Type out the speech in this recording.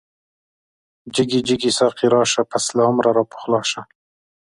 جگی جگی ساقی راشه، پس له عمره را پخلاشه